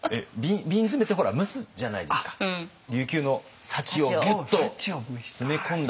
琉球の幸をギュッと詰め込んだ。